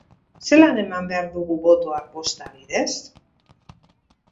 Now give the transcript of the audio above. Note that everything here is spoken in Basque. Zelan eman behar dugu botoa posta bidez?